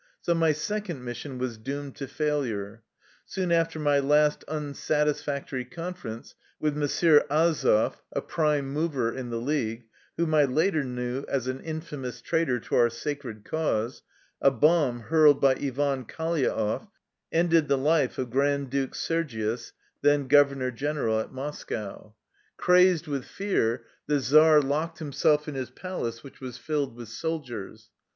So my second mission was doomed to failure. Soon after my last unsatisfactory conference with M. Azeff, a prime mover in the league (whom I later knew as an infamous traitor to our sacred cause), a bomb hurled by Ivan Kalyaev ended the life of Grand Duke Sergius, then governor general at Moscow. 129 THE LIFE STOEY OF A RUSSIAN EXILE Crazed with fear, the czar locked himself in his palace, which was filled with soldiers.